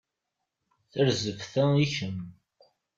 Tarzeft-a i kemm.